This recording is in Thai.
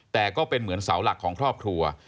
แต่ก็เป็นเหมือนเสาหลักของครอบครัว